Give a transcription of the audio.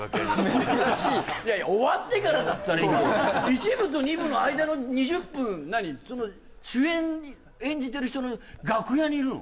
・珍しい終わってからだったらいいけど一部と二部の間の２０分何その主演演じてる人の楽屋にいるの？